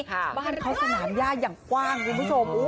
บ้านเขาสนามย่าอย่างกว้างคุณผู้ชม